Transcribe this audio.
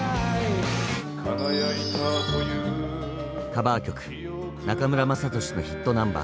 カバー曲中村雅俊のヒットナンバー